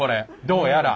どうやら。